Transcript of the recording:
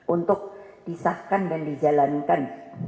untuk disahkan dan dijalankan